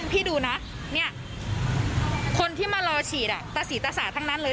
พี่ดูนะคนที่มารอฉีดตะสายทั้งนั้นเลย